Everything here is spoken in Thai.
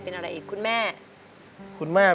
เพลงที่๑มูลค่า๑๐๐๐๐บาท